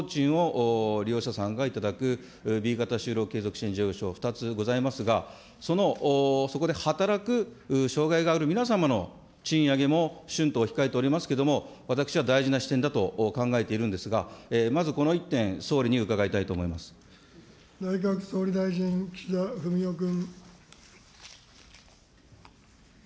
具体的には最低賃金以上で雇用されるＡ型就労支援事業所、そしてまた作業を請け負って、工賃を利用者さんが頂くＢ型就労支援事業所、２つございますが、そこで働く障害がある皆さんの賃上げも、春闘を控えておりますけれども、私は大事な視点だと考えているんですが、まずこの１点、総理に伺内閣総理大臣、岸田文雄君。